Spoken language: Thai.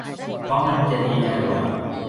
เพราะมันจะดีจะห่วย